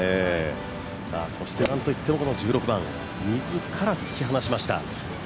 そして、なんといっても１６番自ら突き放しました。